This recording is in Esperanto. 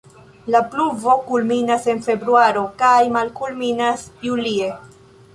La pluvo kulminas en februaro kaj malkulminas julie.